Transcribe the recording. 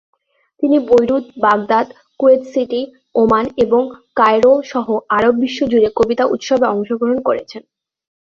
তিনি Beirut, Baghdad, Kuwait City, Oman এবং Cairo সহ আরব বিশ্ব জুড়ে কবিতা উৎসবে অংশগ্রহণ করেছেন।